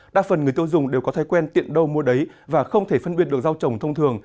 đa phần người tiêu dùng đều có thói quen tiện đâu mua đấy và không thể phân biệt được rau trồng thông thường